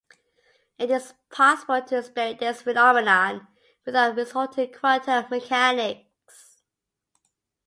It is possible to explain this phenomenon without resorting to quantum mechanics.